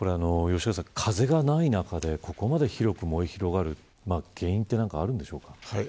風がない中でここまで広く燃え広がる原因はあるんでしょうか。